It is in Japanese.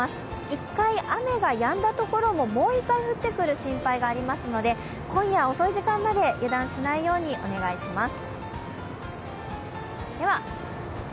一回雨がやんだところももう一回降ってくる心配がありますので今夜遅い時間まで油断しないようにお願いします。